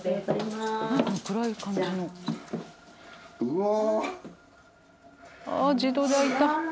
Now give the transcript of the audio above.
うわ。